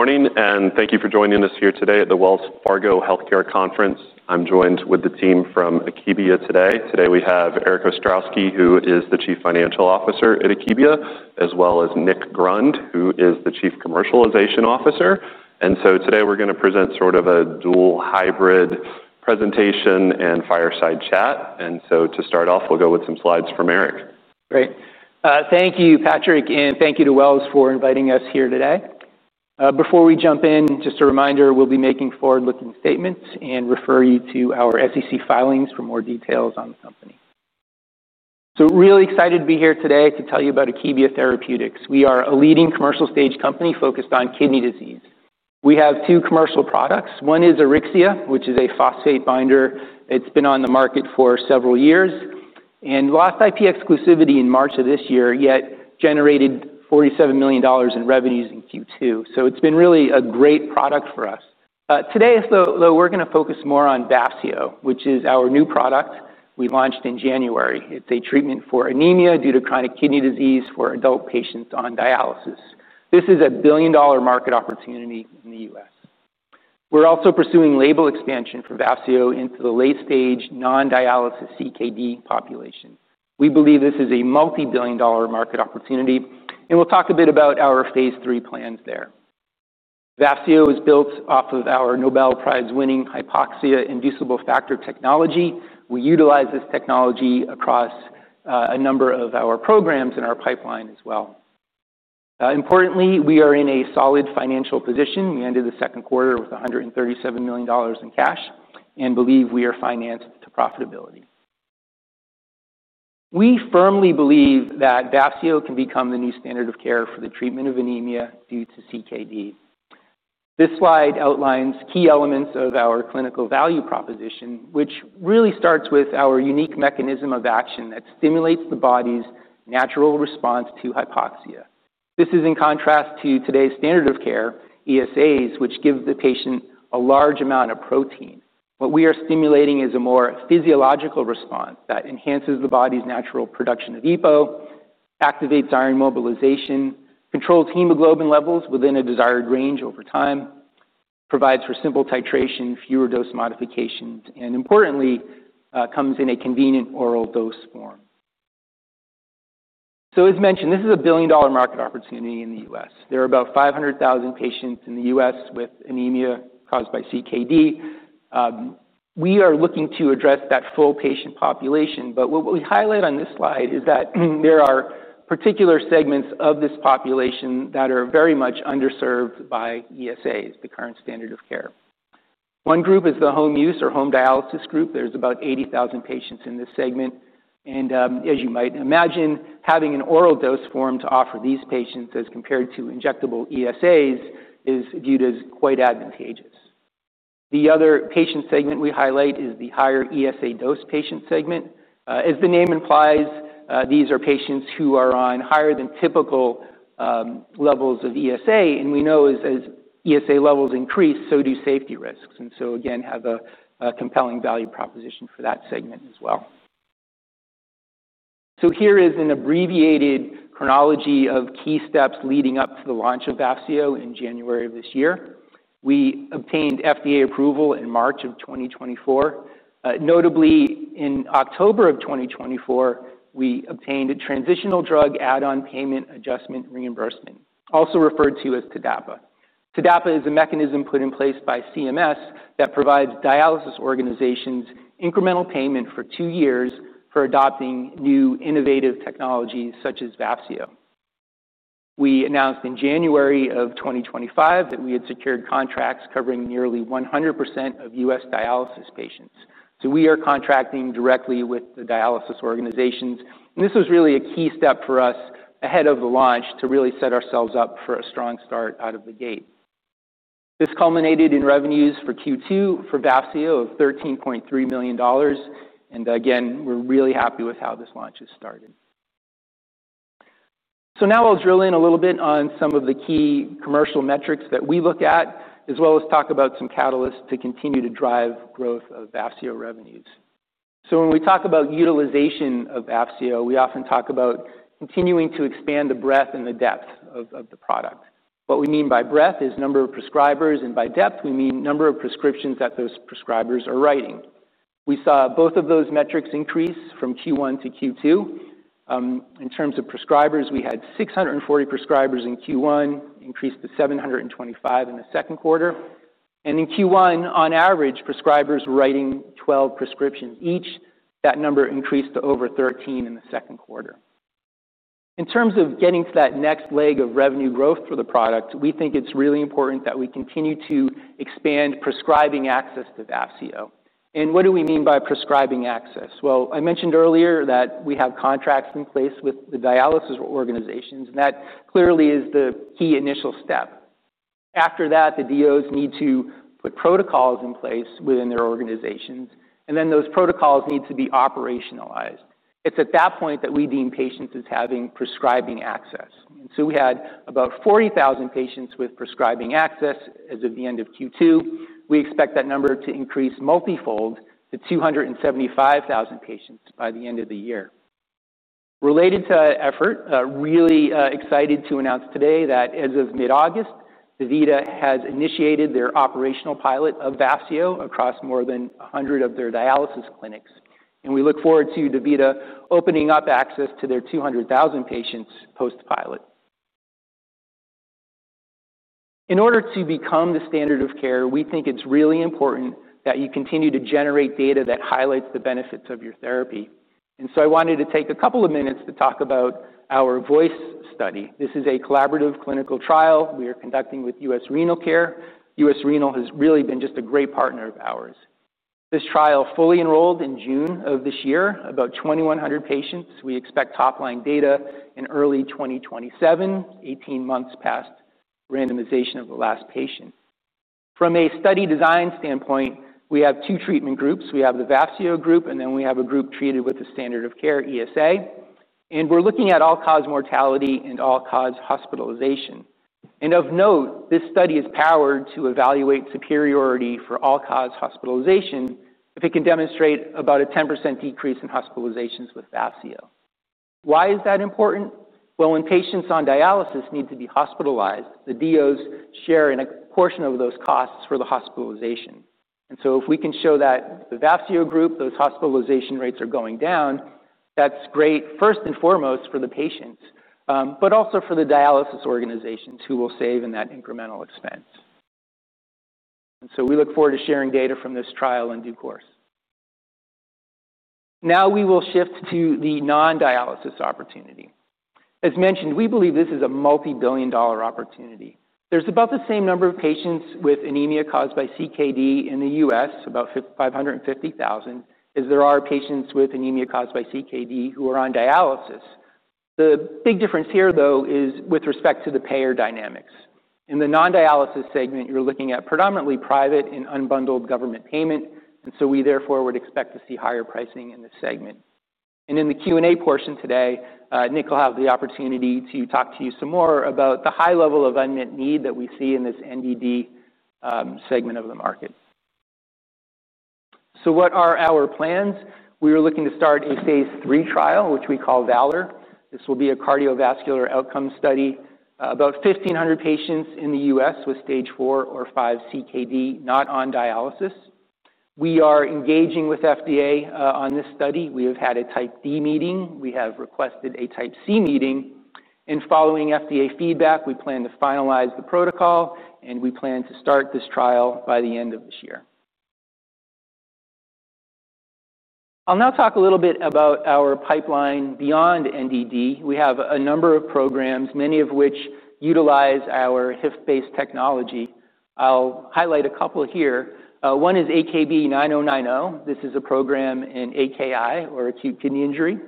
... Good morning, and thank you for joining us here today at the Wells Fargo Healthcare Conference. I'm joined with the team from Akebia today. Today, we have Erik Ostrowski, who is the Chief Financial Officer at Akebia, as well as Nick Grund, who is the Chief Commercialization Officer. And so today, we're going to present sort of a dual hybrid presentation and fireside chat. And so to start off, we'll go with some slides from Erik. Great. Thank you, Patrick, and thank you to Wells for inviting us here today. Before we jump in, just a reminder, we'll be making forward-looking statements and refer you to our SEC filings for more details on the company, so really excited to be here today to tell you about Akebia Therapeutics. We are a leading commercial-stage company focused on kidney disease. We have two commercial products. One is Auryxia, which is a phosphate binder. It's been on the market for several years and lost IP exclusivity in March of this year, yet generated $47 million in revenues in Q2, so it's been really a great product for us today, so we're going to focus more on Vafseo, which is our new product we launched in January. It's a treatment for anemia due to chronic kidney disease for adult patients on dialysis. This is a billion-dollar market opportunity in the U.S. We're also pursuing label expansion for Vafseo into the late-stage non-dialysis CKD population. We believe this is a multi-billion-dollar market opportunity, and we'll talk a bit about our Phase III plans there. Vafseo is built off of our Nobel Prize-winning hypoxia-inducible factor technology. We utilize this technology across a number of our programs in our pipeline as well. Importantly, we are in a solid financial position. We ended the second quarter with $137 million in cash and believe we are financed to profitability. We firmly believe that Vafseo can become the new standard of care for the treatment of anemia due to CKD. This slide outlines key elements of our clinical value proposition, which really starts with our unique mechanism of action that stimulates the body's natural response to hypoxia. This is in contrast to today's standard of care, ESAs, which give the patient a large amount of protein. What we are stimulating is a more physiological response that enhances the body's natural production of EPO, activates iron mobilization, controls hemoglobin levels within a desired range over time, provides for simple titration, fewer dose modifications, and importantly, comes in a convenient oral dose form. So as mentioned, this is a billion-dollar market opportunity in the U.S. There are about five hundred thousand patients in the U.S. with anemia caused by CKD. We are looking to address that full patient population, but what we highlight on this slide is that there are particular segments of this population that are very much underserved by ESAs, the current standard of care. One group is the home use or home dialysis group. There's about eighty thousand patients in this segment, and, as you might imagine, having an oral dose form to offer these patients as compared to injectable ESAs is viewed as quite advantageous. The other patient segment we highlight is the higher ESA dose patient segment. As the name implies, these are patients who are on higher-than-typical levels of ESA, and we know as ESA levels increase, so do safety risks, and so again, have a compelling value proposition for that segment as well. So here is an abbreviated chronology of key steps leading up to the launch of Vafseo in January of this year. We obtained FDA approval in March of 2024. Notably, in October of 2024, we obtained a Transitional Drug Add-on Payment Adjustment, also referred to as TDAPA. TDAPA is a mechanism put in place by CMS that provides dialysis organizations incremental payment for two years for adopting new innovative technologies such as Vafseo. We announced in January of 2025 that we had secured contracts covering nearly 100% of U.S. dialysis patients. So we are contracting directly with the dialysis organizations, and this was really a key step for us ahead of the launch to really set ourselves up for a strong start out of the gate. This culminated in revenues for Q2 for Vafseo of $13.3 million, and again, we're really happy with how this launch has started. So now I'll drill in a little bit on some of the key commercial metrics that we look at, as well as talk about some catalysts to continue to drive growth of Vafseo revenues. So when we talk about utilization of Vafseo, we often talk about continuing to expand the breadth and the depth of, of the product. What we mean by breadth is number of prescribers, and by depth, we mean number of prescriptions that those prescribers are writing. We saw both of those metrics increase from Q1 to Q2. In terms of prescribers, we had 640 prescribers in Q1, increased to 725 in the second quarter. And in Q1, on average, prescribers writing 12 prescriptions each, that number increased to over 13 in the second quarter. In terms of getting to that next leg of revenue growth for the product, we think it's really important that we continue to expand prescribing access to Vafseo. And what do we mean by prescribing access? I mentioned earlier that we have contracts in place with the dialysis organizations, and that clearly is the key initial step. After that, the DOs need to put protocols in place within their organizations, and then those protocols need to be operationalized. It's at that point that we deem patients as having prescribing access. We had about 40,000 patients with prescribing access as of the end of Q2. We expect that number to increase multifold to 275,000 patients by the end of the year. Related to effort, really, excited to announce today that as of mid-August, DaVita has initiated their operational pilot of Vafseo across more than 100 of their dialysis clinics. We look forward to DaVita opening up access to their 200,000 patients post-pilot. In order to become the standard of care, we think it's really important that you continue to generate data that highlights the benefits of your therapy. And so I wanted to take a couple of minutes to talk about our VOICE study. This is a collaborative clinical trial we are conducting with U.S. Renal Care. U.S. Renal has really been just a great partner of ours. This trial fully enrolled in June of this year, about 2,100 patients. We expect top-line data in early 2027, 18 months past randomization of the last patient. From a study design standpoint, we have two treatment groups. We have the Vafseo group, and then we have a group treated with the standard of care, ESA, and we're looking at all-cause mortality and all-cause hospitalization. Of note, this study is powered to evaluate superiority for all-cause hospitalization if it can demonstrate about a 10% decrease in hospitalizations with Vafseo. Why is that important? When patients on dialysis need to be hospitalized, the DOs share in a portion of those costs for the hospitalization. So if we can show that the Vafseo group, those hospitalization rates are going down, that's great, first and foremost, for the patients, but also for the dialysis organizations who will save in that incremental expense. So we look forward to sharing data from this trial in due course. Now we will shift to the non-dialysis opportunity. As mentioned, we believe this is a multibillion-dollar opportunity. There's about the same number of patients with anemia caused by CKD in the U.S., about 550,000, as there are patients with anemia caused by CKD who are on dialysis. The big difference here, though, is with respect to the payer dynamics. In the non-dialysis segment, you're looking at predominantly private and unbundled government payment, and so we therefore would expect to see higher pricing in this segment. And in the Q&A portion today, Nick will have the opportunity to talk to you some more about the high level of unmet need that we see in this NDD segment of the market. So what are our plans? We are looking to start a phase III trial, which we call VALOR. This will be a cardiovascular outcome study, about 1,500 patients in the U.S. with Stage four or five CKD, not on dialysis. We are engaging with FDA on this study. We have had a Type D meeting. We have requested a Type C meeting, and following FDA feedback, we plan to finalize the protocol, and we plan to start this trial by the end of this year. I'll now talk a little bit about our pipeline beyond NDD. We have a number of programs, many of which utilize our HIF-based technology. I'll highlight a couple here. One is AKB-9090. This is a program in AKI or acute kidney injury.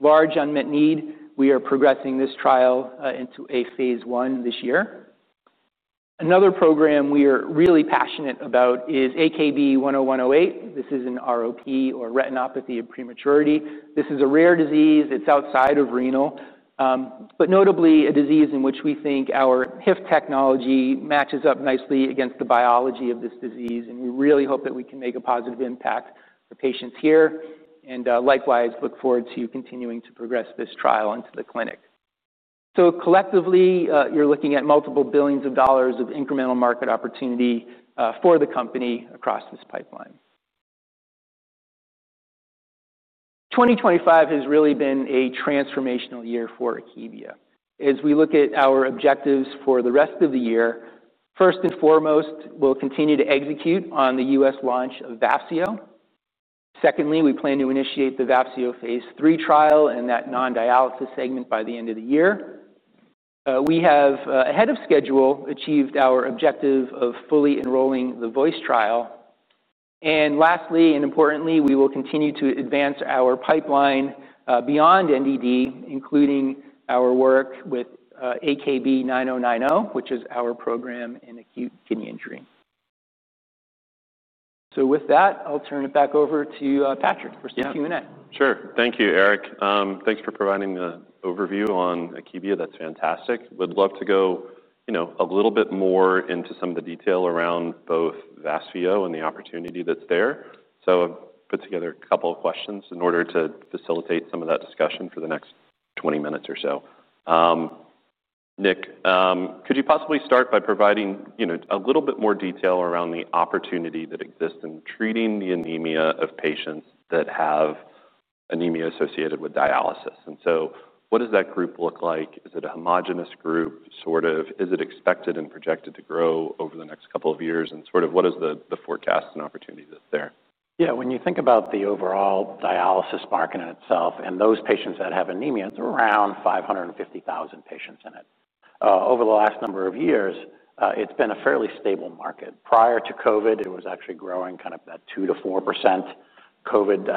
Large unmet need. We are progressing this trial into a phase I this year. Another program we are really passionate about is AKB-10108. This is an ROP or retinopathy of prematurity. This is a rare disease. It's outside of renal, but notably a disease in which we think our HIF technology matches up nicely against the biology of this disease, and we really hope that we can make a positive impact for patients here, and likewise, look forward to continuing to progress this trial into the clinic, so collectively, you're looking at multiple billions of dollars of incremental market opportunity for the company across this pipeline. 2025 has really been a transformational year for Akebia. As we look at our objectives for the rest of the year, first and foremost, we'll continue to execute on the U.S. launch of Vafseo. Secondly, we plan to initiate the Vafseo phase III trial in that non-dialysis segment by the end of the year. We have, ahead of schedule, achieved our objective of fully enrolling the VOICE trial. And lastly, and importantly, we will continue to advance our pipeline beyond NDD, including our work with AKB-9090, which is our program in acute kidney injury. So with that, I'll turn it back over to Patrick for some Q&A. Sure. Thank you, Erik. Thanks for providing the overview on Akebia. That's fantastic. Would love to go, you know, a little bit more into some of the detail around both Vafseo and the opportunity that's there. So I've put together a couple of questions in order to facilitate some of that discussion for the next 20 minutes or so. Nick, could you possibly start by providing, you know, a little bit more detail around the opportunity that exists in treating the anemia of patients that have anemia associated with dialysis? And so what does that group look like? Is it a homogeneous group, sort of? Is it expected and projected to grow over the next couple of years? And sort of what is the forecast and opportunity that's there? Yeah, when you think about the overall dialysis market in itself and those patients that have anemia, it's around 550,000 patients in it. Over the last number of years, it's been a fairly stable market. Prior to COVID, it was actually growing kind of at 2%-4%. COVID,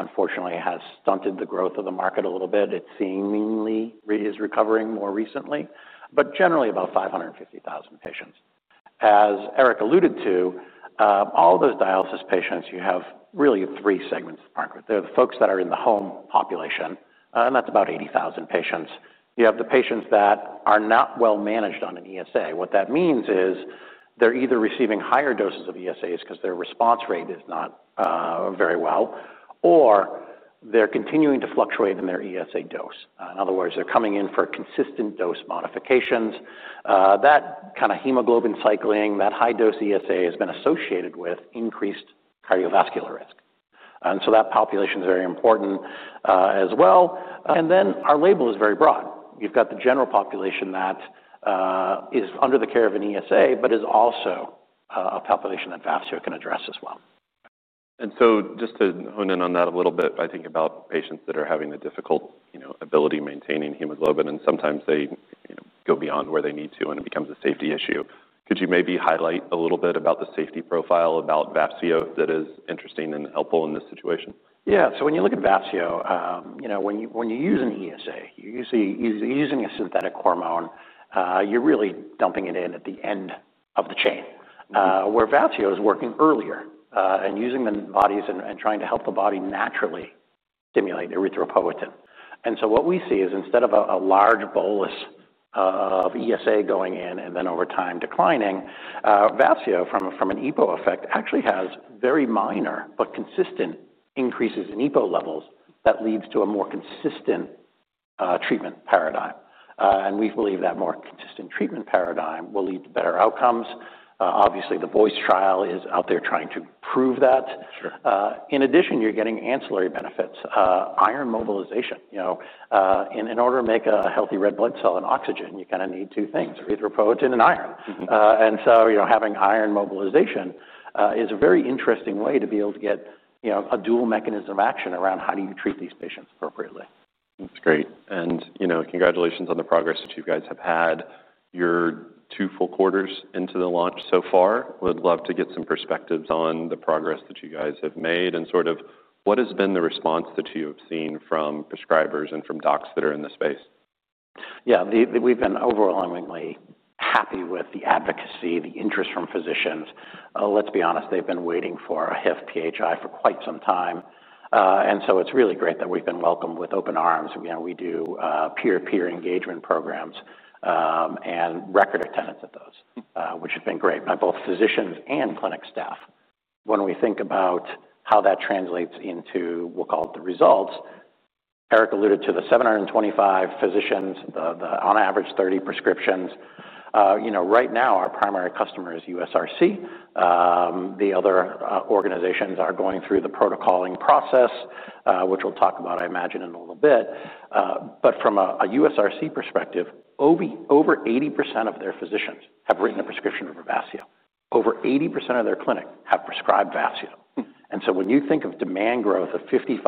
unfortunately, has stunted the growth of the market a little bit. It seemingly is recovering more recently, but generally about 550,000 patients. As Erik alluded to, all those dialysis patients, you have really three segments of the market. There are the folks that are in the home population, and that's about 80,000 patients. You have the patients that are not well managed on an ESA. What that means is- ... they're either receiving higher doses of ESAs because their response rate is not very well, or they're continuing to fluctuate in their ESA dose. In other words, they're coming in for consistent dose modifications. That kind of hemoglobin cycling, that high-dose ESA, has been associated with increased cardiovascular risk, and so that population is very important, as well. And then our label is very broad. You've got the general population that is under the care of an ESA but is also a population that Vafseo can address as well. And so just to hone in on that a little bit, I think about patients that are having a difficult, you know, ability maintaining hemoglobin, and sometimes they, you know, go beyond where they need to, and it becomes a safety issue. Could you maybe highlight a little bit about the safety profile, about Vafseo that is interesting and helpful in this situation? Yeah. So when you look at Vafseo, you know, when you, when you're using ESA, you're usually using a synthetic hormone, you're really dumping it in at the end of the chain. Where Vafseo is working earlier, and using the body's and trying to help the body naturally stimulate erythropoietin. And so what we see is instead of a large bolus of ESA going in and then over time declining, Vafseo from an EPO effect actually has very minor but consistent increases in EPO levels that leads to a more consistent treatment paradigm. And we believe that more consistent treatment paradigm will lead to better outcomes. Obviously, the VOICE trial is out there trying to prove that. Sure. In addition, you're getting ancillary benefits, iron mobilization. You know, and in order to make a healthy red blood cell and oxygen, you kinda need two things: erythropoietin and iron. Mm-hmm. And so, you know, having iron mobilization is a very interesting way to be able to get, you know, a dual mechanism action around how do you treat these patients appropriately. That's great. And, you know, congratulations on the progress that you guys have had. You're two full quarters into the launch so far. Would love to get some perspectives on the progress that you guys have made, and sort of what has been the response that you have seen from prescribers and from docs that are in the space? Yeah. We've been overwhelmingly happy with the advocacy, the interest from physicians. Let's be honest, they've been waiting for a HIF-PHI for quite some time. And so it's really great that we've been welcomed with open arms. You know, we do peer-to-peer engagement programs, and record attendance at those. Mm-hmm... which has been great by both physicians and clinic staff. When we think about how that translates into, we'll call it, the results, Erik alluded to the 725 physicians, the on average thirty prescriptions. You know, right now, our primary customer is USRC. The other organizations are going through the protocoling process, which we'll talk about, I imagine, in a little bit. But from a USRC perspective, over 80% of their physicians have written a prescription for Vafseo. Over 80% of their clinic have prescribed Vafseo. Mm. And so when you think of demand growth of 55%,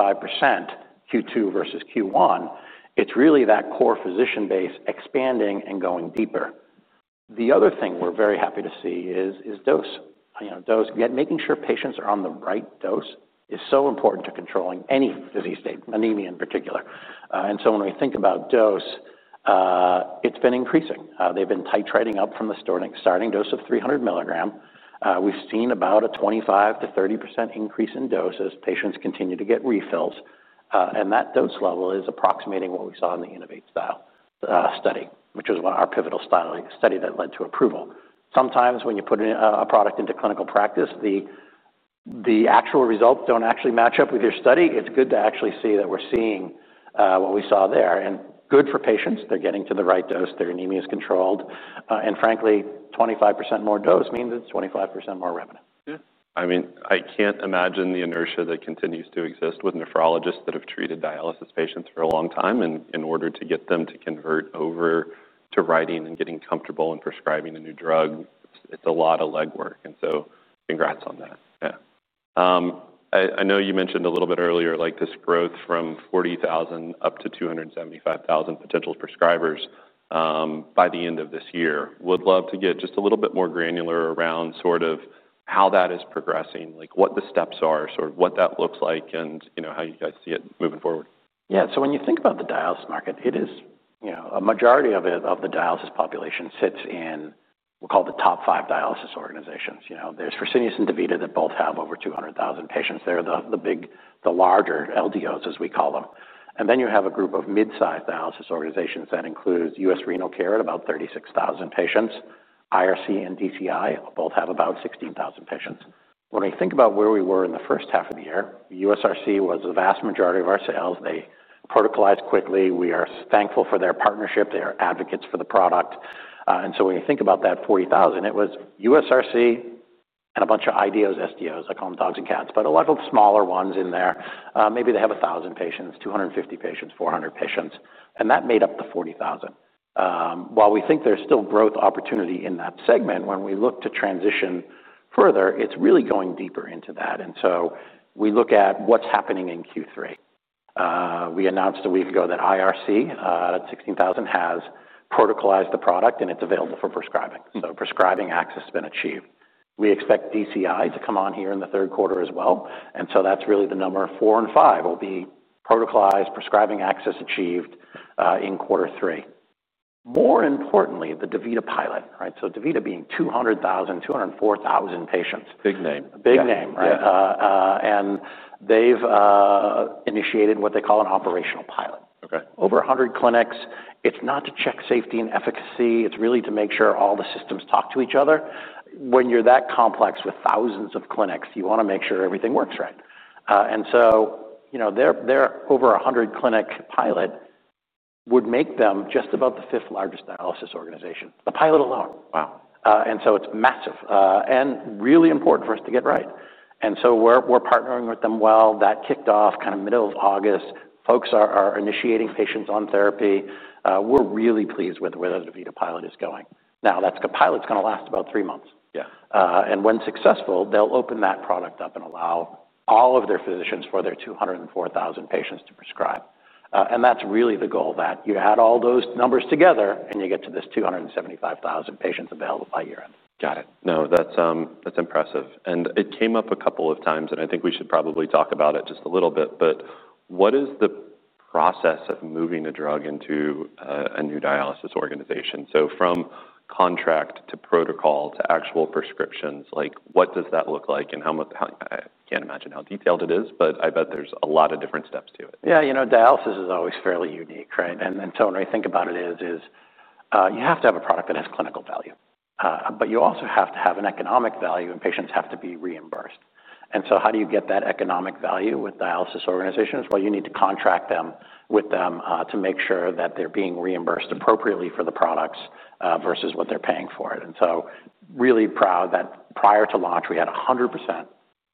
Q2 versus Q1, it's really that core physician base expanding and going deeper. The other thing we're very happy to see is dose. You know, dose, yet making sure patients are on the right dose is so important to controlling any disease state, anemia in particular. And so when we think about dose, it's been increasing. They've been titrating up from the starting dose of 300 mg. We've seen about a 25%-30% increase in dose as patients continue to get refills, and that dose level is approximating what we saw in the INNO2VATE trial study, which is one of our pivotal clinical studies that led to approval. Sometimes when you put in a product into clinical practice, the actual results don't actually match up with your study. It's good to actually see that we're seeing what we saw there and good for patients. They're getting to the right dose, their anemia is controlled, and frankly, 25% more dose means it's 25% more revenue. Yeah. I mean, I can't imagine the inertia that continues to exist with nephrologists that have treated dialysis patients for a long time in order to get them to convert over to writing and getting comfortable and prescribing a new drug. It's a lot of legwork, and so congrats on that. Yeah. I know you mentioned a little bit earlier, like, this growth from 40,000 up to 275,000 potential prescribers, by the end of this year. Would love to get just a little bit more granular around sort of how that is progressing, like, what the steps are, sort of what that looks like, and you know, how you guys see it moving forward. Yeah. So when you think about the dialysis market, it is, you know, a majority of it, of the dialysis population sits in, we'll call it, the top five dialysis organizations. You know, there's Fresenius and DaVita that both have over 200,000 patients. They're the big, the larger LDOs, as we call them. And then you have a group of mid-sized dialysis organizations that includes U.S. Renal Care at about 36,000 patients. IRC and DCI both have about 16,000 patients. When we think about where we were in the first half of the year, USRC was the vast majority of our sales. They protocolized quickly. We are thankful for their partnership. They are advocates for the product. And so when you think about that 40,000, it was USRC and a bunch of IDOs, SDOs, I call them dogs and cats, but a lot of smaller ones in there. Maybe they have 1,000 patients, 250 patients, 400 patients, and that made up the 40,000. While we think there's still growth opportunity in that segment, when we look to transition further, it's really going deeper into that. And so we look at what's happening in Q3. We announced a week ago that IRC, at 16,000, has protocolized the product, and it's available for prescribing. Mm-hmm. So prescribing access has been achieved. We expect DCI to come on here in the third quarter as well, and so that's really the number four and five will be protocolized, prescribing access achieved, in quarter three. More importantly, the DaVita pilot, right? So DaVita being 200,000, 204,000 patients. Big name. Big name, right? Yeah. And they've initiated what they call an operational pilot over a hundred clinics. It's not to check safety and efficacy, it's really to make sure all the systems talk to each other. When you're that complex with thousands of clinics, you wanna make sure everything works right. And so, you know, their over a hundred-clinic pilot would make them just about the fifth-largest dialysis organization. The pilot alone. Wow! And so it's massive, and really important for us to get right. And so we're partnering with them well. That kicked off kind of middle of August. Folks are initiating patients on therapy. We're really pleased with where the DaVita pilot is going. Now, that's the pilot's gonna last about three months. Yeah. And when successful, they'll open that product up and allow all of their physicians for their 204,000 patients to prescribe. And that's really the goal, that you add all those numbers together, and you get to this 275,000 patients available by year-end. Got it. No, that's impressive, and it came up a couple of times, and I think we should probably talk about it just a little bit, but what is the process of moving a drug into a new dialysis organization? So from contract to protocol to actual prescriptions, like, what does that look like, and how I can't imagine how detailed it is, but I bet there's a lot of different steps to it. Yeah, you know, dialysis is always fairly unique, right? And so when I think about it, you have to have a product that has clinical value. But you also have to have an economic value, and patients have to be reimbursed. And so how do you get that economic value with dialysis organizations? Well, you need to contract with them to make sure that they're being reimbursed appropriately for the products versus what they're paying for it. And so, really proud that prior to launch, we had 100%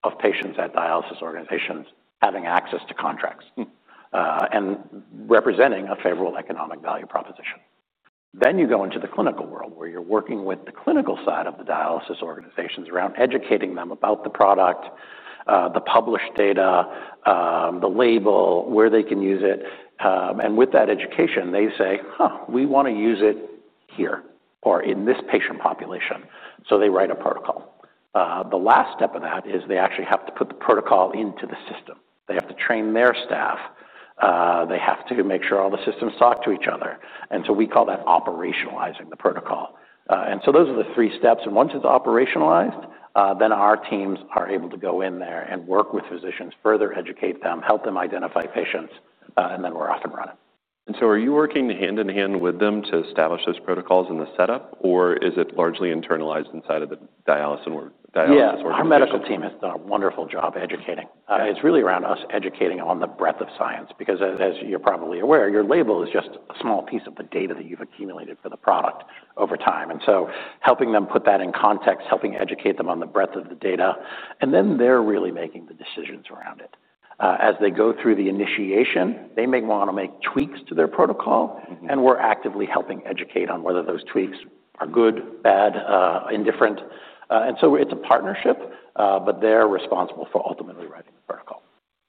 of patients at dialysis organizations having access to contracts. Hmm. And representing a favorable economic value proposition. Then you go into the clinical world, where you're working with the clinical side of the dialysis organizations around educating them about the product, the published data, the label, where they can use it. And with that education, they say, "Huh, we wanna use it here or in this patient population." So they write a protocol. The last step of that is they actually have to put the protocol into the system. They have to train their staff. They have to make sure all the systems talk to each other, and so we call that operationalizing the protocol. And so those are the three steps, and once it's operationalized, then our teams are able to go in there and work with physicians, further educate them, help them identify patients, and then we're off and running. Are you working hand-in-hand with them to establish those protocols and the setup, or is it largely internalized inside of the dialysis organization? Yeah. Our medical team has done a wonderful job educating. Yeah. It's really around us educating on the breadth of science because as you're probably aware, your label is just a small piece of the data that you've accumulated for the product over time. And so helping them put that in context, helping educate them on the breadth of the data, and then they're really making the decisions around it. As they go through the initiation, they may wanna make tweaks to their protocol- Mm-hmm. And we're actively helping educate on whether those tweaks are good, bad, indifferent. And so it's a partnership, but they're responsible for ultimately writing the protocol.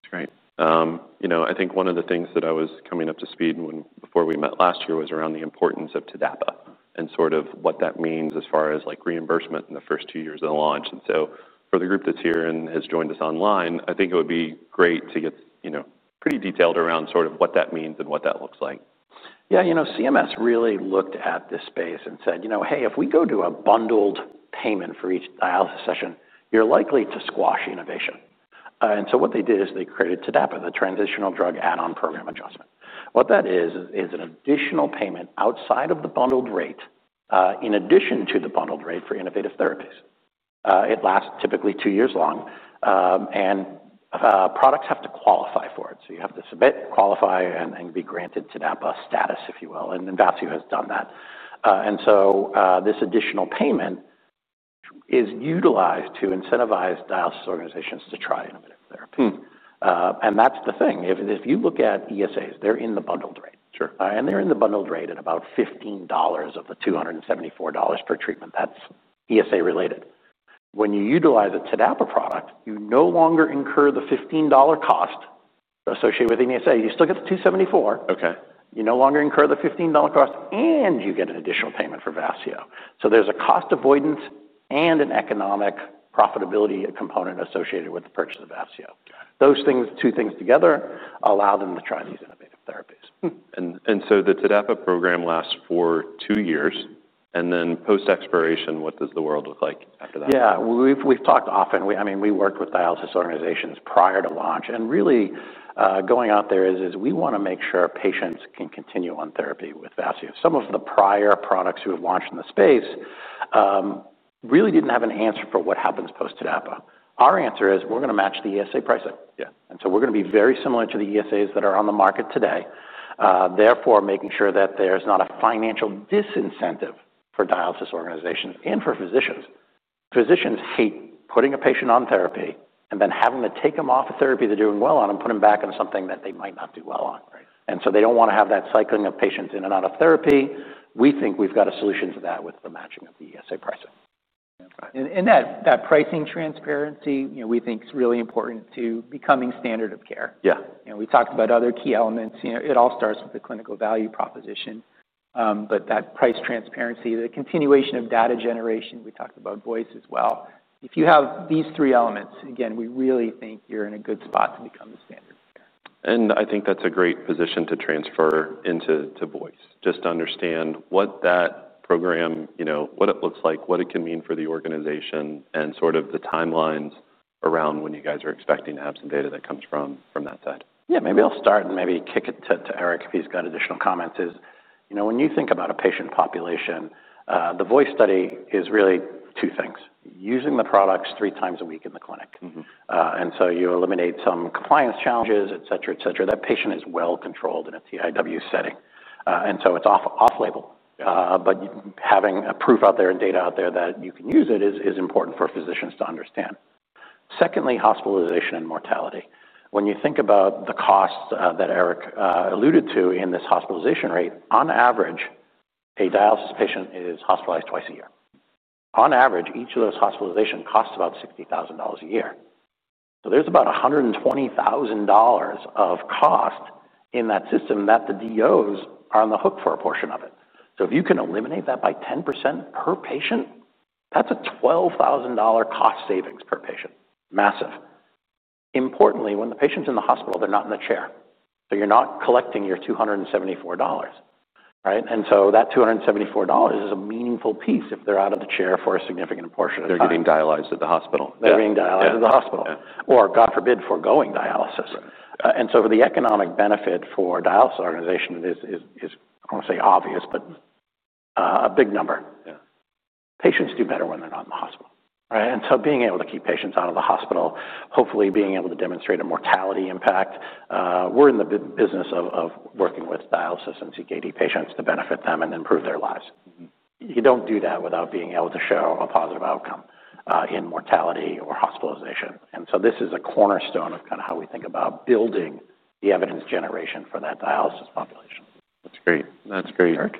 That's right. You know, I think one of the things that I was coming up to speed when, before we met last year, was around the importance of TDAPA and sort of what that means as far as, like, reimbursement in the first two years of the launch. And so for the group that's here and has joined us online, I think it would be great to get, you know, pretty detailed around sort of what that means and what that looks like. Yeah, you know, CMS really looked at this space and said, "You know, hey, if we go to a bundled payment for each dialysis session, you're likely to squash innovation." They created TDAPA, the Transitional Drug Add-on Payment Adjustment. What that is, is an additional payment outside of the bundled rate, in addition to the bundled rate for innovative therapies. It lasts typically two years long, and products have to qualify for it. So you have to submit, qualify, and be granted TDAPA status, if you will, and then Vafseo has done that. This additional payment is utilized to incentivize dialysis organizations to try innovative therapy. Hmm. And that's the thing. If you look at ESAs, they're in the bundled rate. Sure. They're in the bundled rate at about $15 of the $274 per treatment. That's ESA-related. When you utilize a TDAPA product, you no longer incur the $15 cost associated with ESA. You still get the $274. Okay. You no longer incur the $15 cost, and you get an additional payment for Vafseo. So there's a cost avoidance and an economic profitability component associated with the purchase of Vafseo. Got it. Those things, two things together allow them to try these innovative therapies. And so the TDAPA program lasts for two years, and then post-expiration, what does the world look like after that? Yeah. We've talked often. I mean, we worked with dialysis organizations prior to launch, and really, going out there is we wanna make sure patients can continue on therapy with Vafseo. Some of the prior products who have launched in the space really didn't have an answer for what happens post-TDAPA. Our answer is: We're gonna match the ESA pricing. Yeah. And so we're gonna be very similar to the ESAs that are on the market today, therefore, making sure that there's not a financial disincentive for dialysis organizations and for physicians. Physicians hate putting a patient on therapy and then having to take them off the therapy they're doing well on and put them back on something that they might not do well on. Right. And so they don't wanna have that cycling of patients in and out of therapy. We think we've got a solution to that with the matching of the ESA pricing. Yeah. Right. That pricing transparency, you know, we think is really important to becoming standard of care. Yeah. You know, we talked about other key elements. You know, it all starts with the clinical value proposition, but that price transparency, the continuation of data generation, we talked about VOICE as well. If you have these three elements, again, we really think you're in a good spot to become the standard of care. I think that's a great position to transfer into, to VOICE, just to understand what that program, you know, what it looks like, what it can mean for the organization, and sort of the timelines around when you guys are expecting to have some data that comes from that side? Yeah, maybe I'll start and maybe kick it to Erik if he's got additional comments, you know, when you think about a patient population, the voice study is really two things: using the products three times a week in the clinic. Mm-hmm. And so you eliminate some compliance challenges, et cetera, et cetera. That patient is well-controlled in a TIW setting. And so it's off-label, but having a proof out there and data out there that you can use it is important for physicians to understand. Secondly, hospitalization and mortality. When you think about the costs that Erik alluded to in this hospitalization rate, on average, a dialysis patient is hospitalized twice a year. On average, each of those hospitalizations costs about $60,000 a year. So there's about $120,000 of cost in that system that the DOs are on the hook for a portion of it. So if you can eliminate that by 10% per patient, that's a $12,000 cost savings per patient. Massive. Importantly, when the patient's in the hospital, they're not in the chair, so you're not collecting your $274, right? And so that $274 is a meaningful piece if they're out of the chair for a significant portion of time. They're getting dialyzed at the hospital. They're being dialyzed- Yeah, yeah... at the hospital. Yeah. Or, God forbid, foregoing dialysis. Right. And so the economic benefit for dialysis organization is, I don't want to say obvious, but a big number. Yeah. Patients do better when they're not in the hospital, right? And so being able to keep patients out of the hospital, hopefully being able to demonstrate a mortality impact, we're in the business of working with dialysis and CKD patients to benefit them and improve their lives. Mm-hmm. You don't do that without being able to show a positive outcome, in mortality or hospitalization, and so this is a cornerstone of kind of how we think about building the evidence generation for that dialysis population. That's great. That's great. Erik?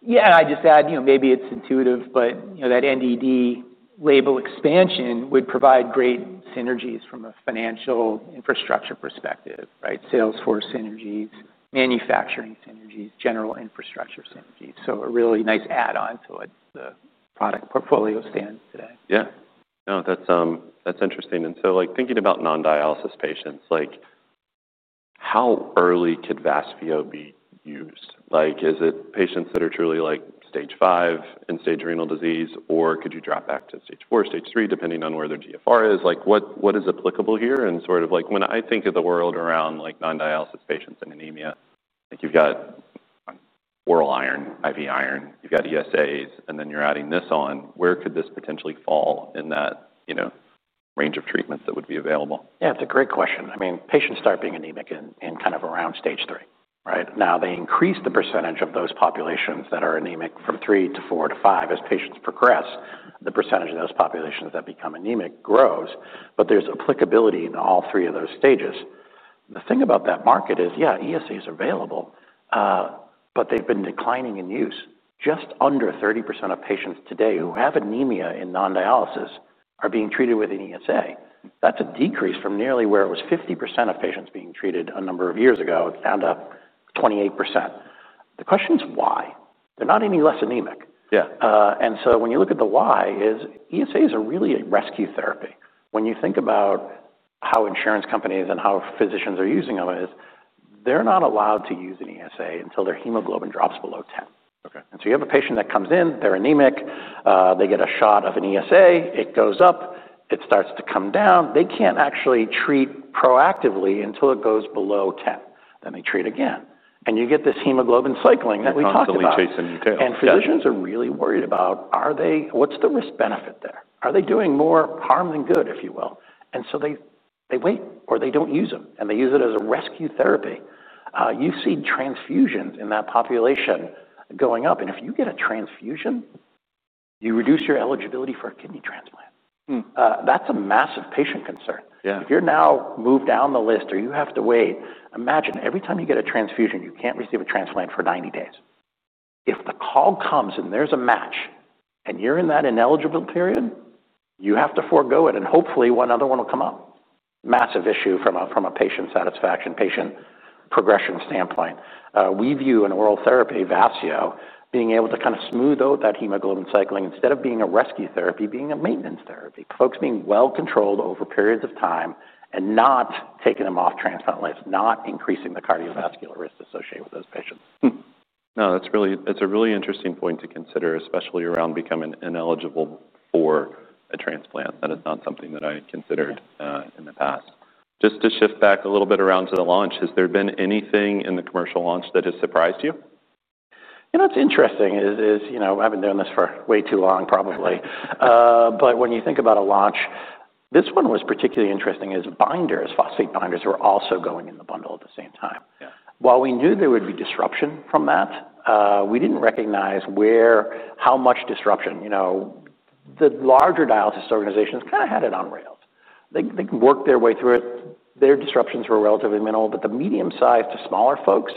Yeah, I'd just add, you know, maybe it's intuitive, but, you know, that NDD label expansion would provide great synergies from a financial infrastructure perspective, right? Salesforce synergies, manufacturing synergies, general infrastructure synergies. So a really nice add-on to what the product portfolio stands today. Yeah. No, that's interesting. And so, like, thinking about non-dialysis patients, like, how early could Vafseo be used? Like, is it patients that are truly, like, stage five end-stage renal disease, or could you drop back to stage four, stage three, depending on where their GFR is? Like, what, what is applicable here? And sort of like, when I think of the world around, like, non-dialysis patients and anemia, like, you've got oral iron, IV iron, you've got ESAs, and then you're adding this on, where could this potentially fall in that, you know, range of treatments that would be available? Yeah, it's a great question. I mean, patients start being anemic in kind of around stage three, right? Now, they increase the percentage of those populations that are anemic from three to four to five. As patients progress, the percentage of those populations that become anemic grows, but there's applicability in all three of those stages. The thing about that market is, yeah, ESAs are available, but they've been declining in use. Just under 30% of patients today who have anemia in non-dialysis are being treated with an ESA. That's a decrease from nearly where it was 50% of patients being treated a number of years ago, it's down to 28%. The question is, why? They're not any less anemic. Yeah. And so when you look at the why is ESAs are really a rescue therapy. When you think about how insurance companies and how physicians are using them is they're not allowed to use an ESA until their hemoglobin drops below ten. Okay. And so you have a patient that comes in, they're anemic, they get a shot of an ESA, it goes up, it starts to come down. They can't actually treat proactively until it goes below 10. Then they treat again, and you get this hemoglobin cycling that we talked about. Constantly chasing your tail. Yeah. Physicians are really worried about, are they? What's the risk-benefit there? Are they doing more harm than good, if you will? So they wait, or they don't use them, and they use it as a rescue therapy. You see transfusions in that population going up, and if you get a transfusion, you reduce your eligibility for a kidney transplant. Hmm. That's a massive patient concern. Yeah. If you're now moved down the list or you have to wait, imagine every time you get a transfusion, you can't receive a transplant for 90 days. If the call comes, and there's a match, and you're in that ineligible period, you have to forgo it, and hopefully, another one will come up. Massive issue from a patient satisfaction, patient progression standpoint. We view an oral therapy, Vafseo, being able to kind of smooth out that hemoglobin cycling, instead of being a rescue therapy, being a maintenance therapy. Folks being well-controlled over periods of time and not taking them off transplant list, not increasing the cardiovascular risk associated with those patients. No, that's a really interesting point to consider, especially around becoming ineligible for a transplant. That is not something that I had considered. Yeah... in the past. Just to shift back a little bit around to the launch, has there been anything in the commercial launch that has surprised you? You know, what's interesting is, you know, I've been doing this for way too long, probably. But when you think about a launch, this one was particularly interesting, is binders, phosphate binders, were also going in the bundle at the same time. Yeah. While we knew there would be disruption from that, we didn't recognize how much disruption. You know, the larger dialysis organizations kind of had it on rails. They can work their way through it. Their disruptions were relatively minimal, but the medium-sized to smaller folks,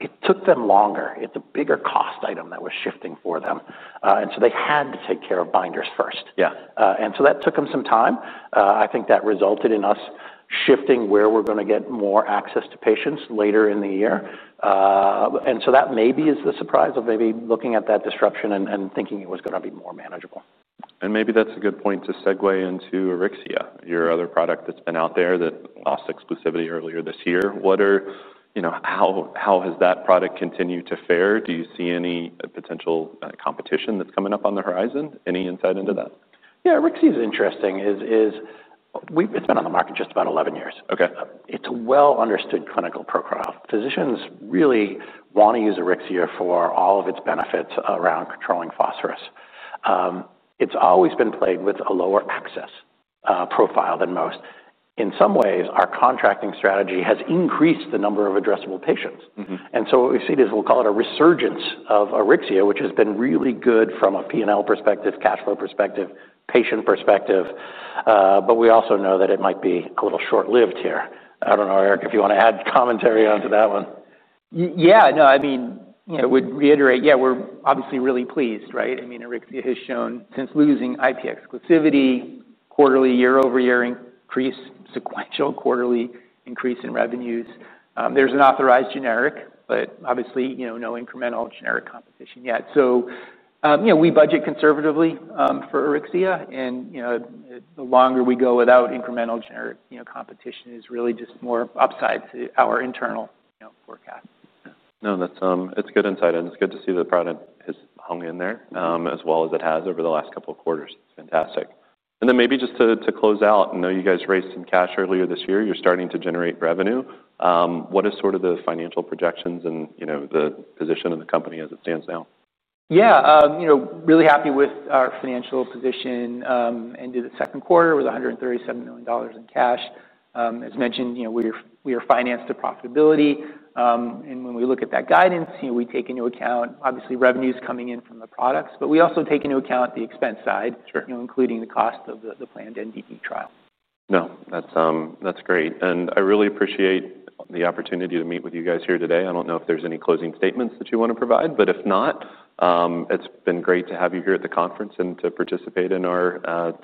it took them longer. It's a bigger cost item that was shifting for them, and so they had to take care of binders first. Yeah. And so that took them some time. I think that resulted in us shifting where we're gonna get more access to patients later in the year. Yeah. And so that maybe is the surprise of maybe looking at that disruption and thinking it was gonna be more manageable. And maybe that's a good point to segue into Auryxia, your other product that's been out there that lost exclusivity earlier this year. You know, how has that product continued to fare? Do you see any potential competition that's coming up on the horizon? Any insight into that?... Yeah, Auryxia is interesting. It's been on the market just about eleven years. Okay. It's a well-understood clinical profile. Physicians really want to use Auryxia for all of its benefits around controlling phosphorus. It's always been plagued with a lower access profile than most. In some ways, our contracting strategy has increased the number of addressable patients. Mm-hmm. And so what we see is, we'll call it a resurgence of Auryxia, which has been really good from a P&L perspective, cash flow perspective, patient perspective. But we also know that it might be a little short-lived here. I don't know, Erik, if you want to add commentary onto that one. Yeah, no, I mean, you know, I would reiterate, yeah, we're obviously really pleased, right? I mean, Auryxia has shown, since losing IP exclusivity, quarterly year-over-year increase, sequential quarterly increase in revenues. There's an authorized generic, but obviously, you know, no incremental generic competition yet. So, you know, we budget conservatively for Auryxia, and, you know, the longer we go without incremental generic, you know, competition is really just more upside to our internal, you know, forecast. No, that's. It's good insight, and it's good to see the product has hung in there, as well as it has over the last couple of quarters. Fantastic. And then maybe just to close out. I know you guys raised some cash earlier this year. You're starting to generate revenue. What is sort of the financial projections and, you know, the position of the company as it stands now? Yeah, you know, really happy with our financial position. Ended the second quarter with $137 million in cash. As mentioned, you know, we are financed to profitability, and when we look at that guidance, you know, we take into account, obviously, revenues coming in from the products, but we also take into account the expense side- Sure. you know, including the cost of the planned NDD trial. No, that's great. And I really appreciate the opportunity to meet with you guys here today. I don't know if there's any closing statements that you want to provide, but if not, it's been great to have you here at the conference and to participate in our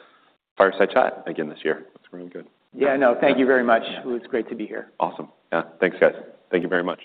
Fireside Chat again this year. That's really good. Yeah, no, thank you very much. It was great to be here. Awesome. Yeah. Thanks, guys. Thank you very much.